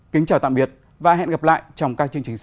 kính chào tạm biệt và hẹn gặp lại trong các chương trình sau